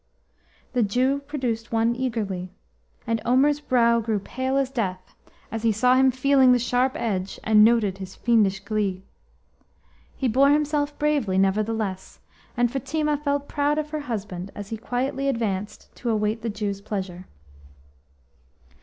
The Jew produced one eagerly, and Omer's brow grew pale as death as he saw him feeling the sharp edge, and noted his fiendish glee. He bore himself bravely, nevertheless, and Fatima felt proud of her husband as he quietly advanced to await the Jew's pleasure.